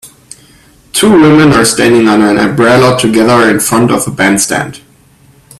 Two women are standing under an umbrella together, in front of a bandstand.